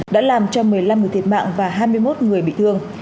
đã làm cho một mươi năm người thiệt mạng và hai mươi một người bị thương